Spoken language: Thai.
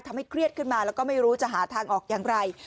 เครียดขึ้นมาแล้วก็ไม่รู้จะหาทางออกอย่างไร